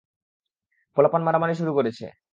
পোলাপান মারামারি শুরু করেছে।